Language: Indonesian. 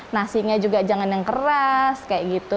nasinya juga jangan yang keras kayak gitu